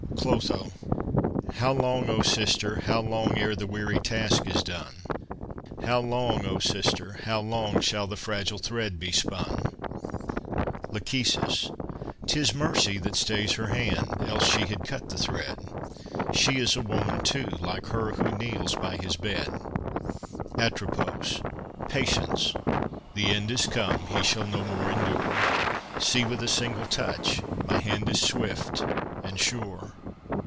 I CLOTHO How long, O sister, how long Ere the weary task is done? How long, O sister, how long Shall the fragile thread be spun? LACHESIS 'Tis mercy that stays her hand, Else she had cut the thread; She is a woman too, Like her who kneels by his bed! ATROPOS Patience! the end is come; He shall no more endure: See! with a single touch! My hand is swift and sure!